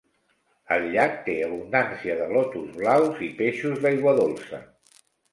El llac té abundància de lotus blaus i peixos d'aigua dolça.